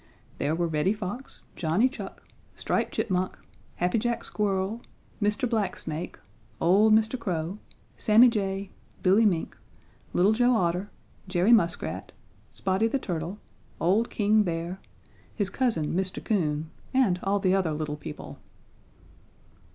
There were Reddy Fox, Johnny Chuck, Striped Chipmunk, Happy Jack Squirrel, Mr. Black Snake, old Mr. Crow, Sammy Jay, Billy Mink, Little Joe Otter, Jerry Muskrat, Spotty the Turtle, old King Bear, his cousin, Mr. Coon, and all the other little people.